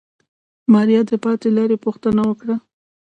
ماريا د پاتې لارې پوښتنه وکړه.